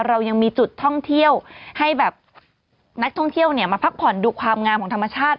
เรายังมีจุดท่องเที่ยวให้แบบนักท่องเที่ยวเนี่ยมาพักผ่อนดูความงามของธรรมชาติ